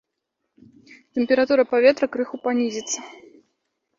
Тэмпература паветра крыху панізіцца.